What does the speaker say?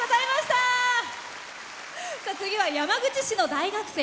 次は山口市の大学生。